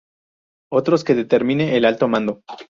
Otros que determine el Alto Mando.